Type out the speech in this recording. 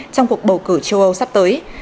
trong cuộc bầu cử châu âu sắp tới